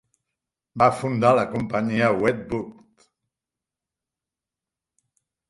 Va fundar la companyia Wedgwood.